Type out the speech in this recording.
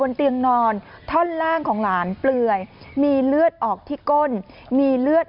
เตียงนอนท่อนล่างของหลานเปลื่อยมีเลือดออกที่ก้นมีเลือด